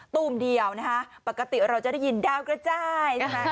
ตูมเดียวนะคะปกติเราจะได้ยินดาวกระจายใช่ไหม